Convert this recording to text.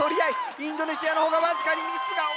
インドネシアの方が僅かにミスが多いか⁉